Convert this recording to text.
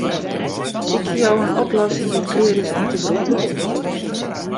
Sykje jo om in oplossing dy't klear is om te brûken?